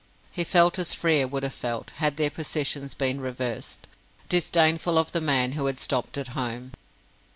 He felt as Frere would have felt, had their positions been reversed, disdainful of the man who had stopped at home.